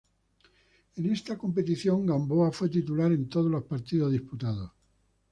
En esta competición, Gamboa fue titular en todos los partidos disputados.